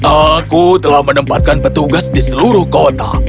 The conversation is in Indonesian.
aku telah menempatkan petugas di seluruh kota